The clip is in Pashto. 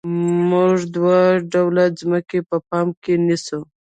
موږ دوه ډوله ځمکه په پام کې نیسو